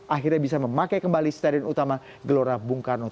akhirnya bisa memakai kembali stadion utama gelora bukarno